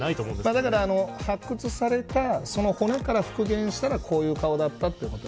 だから発掘された骨から復元された顔がこういう顔だったということ。